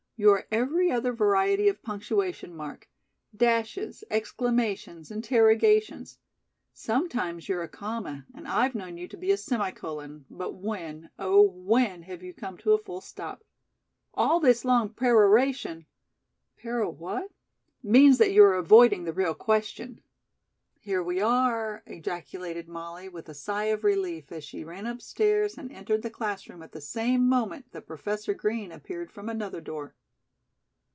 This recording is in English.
You are every other variety of punctuation mark, dashes, exclamations, interrogations. Sometimes you're a comma and I've known you to be a semicolon, but when, oh, when have you come to a full stop?" "All this long peroration " "Pero what?" "Means that you are avoiding the real question." "Here we are," ejaculated Molly with a sigh of relief as she ran upstairs and entered the class room at the same moment that Professor Green appeared from another door.